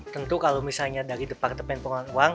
tentu kalau misalnya dari departemen pengelolaan uang